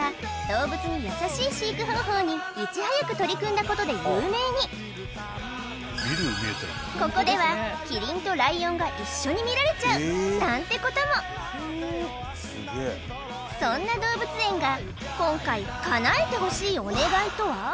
動物にやさしい飼育方法にいち早く取り組んだことで有名にここではキリンとライオンが一緒に見られちゃうなんてこともそんな動物園が今回叶えてほしいお願いとは？